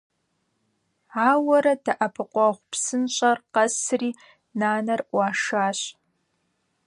Ауэрэ «ДэӀэпыкъуэгъу псынщӀэр» къэсри, нанэр Ӏуашащ.